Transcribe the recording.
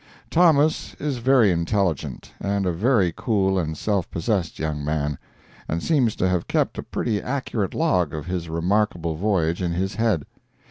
Thomas is very intelligent and a very cool and self possessed young man, and seems to have kept a pretty accurate log of his remarkable voyage in his head.